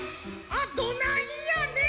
あっどないやねん！